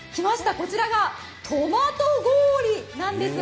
こちらがトマト氷になります。